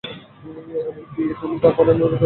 এমন-কি, এখনো তার পাঠানুরাগ রয়েছে প্রবল।